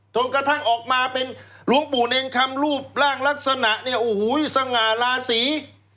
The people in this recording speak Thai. จนกระทั่งออกมาเป็นหลวงปู่เนรคำรูปร่างลักษณะเนี่ยโอ้โหสง่าลาศรี